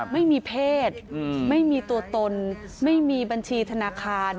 ไม่มีเพศไม่มีตัวตนไม่มีบัญชีธนาคาร